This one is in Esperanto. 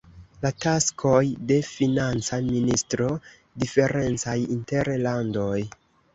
La taskoj de financa ministro diferencaj inter landoj.